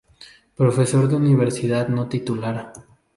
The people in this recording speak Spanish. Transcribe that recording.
Profesor de Universidad no Titular.